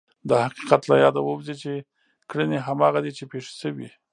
دا حقیقت له یاده ووځي چې کړنې هماغه دي چې پېښې شوې.